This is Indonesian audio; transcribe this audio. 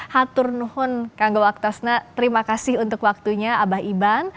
haturnuhun kang gawaktasna terima kasih untuk waktunya abah iban